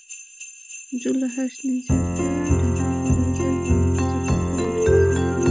জুলহাস নিজেকে ঢাকা কলেজের বাংলা চতুর্থ বর্ষের ছাত্র বলে দাবি করেন।